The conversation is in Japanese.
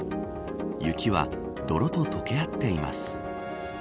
雪は泥と解け合っています。